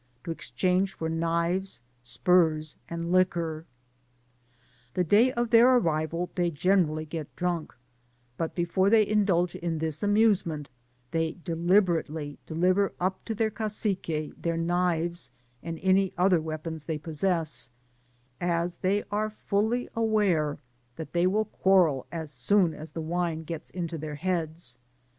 to ex change for knives, spurs, and liquor* The day of their arrival they generally get drunk ; but before they indulge in this amusement, they deliberately deliver up to their Cacique their knives, and any other weapons they possess, as they are fully aware that they will quarrel as soon as the wine gets into their heads.